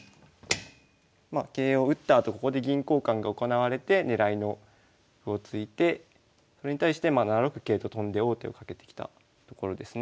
ま桂を打ったあとここで銀交換が行われて狙いの歩を突いてそれに対して７六桂と跳んで王手をかけてきたところですね。